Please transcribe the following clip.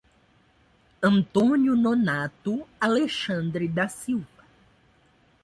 Antônio Nonato Alexandre da Silva